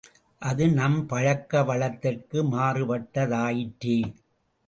அது நம் பழக்க வழக்கத்திற்கு மாறுபட்டதாயிற்றே!